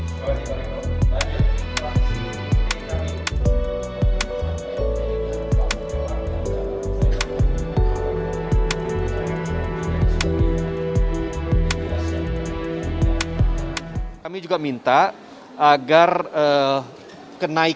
tapi yang penting kita penuh